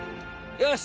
よし！